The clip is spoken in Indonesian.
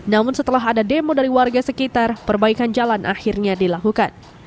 namun setelah ada demo dari warga sekitar perbaikan jalan akhirnya dilakukan